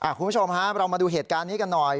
คุณผู้ชมครับเรามาดูเหตุการณ์นี้กันหน่อย